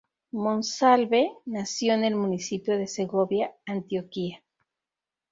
Monsalve nació en el municipio de Segovia, Antioquia.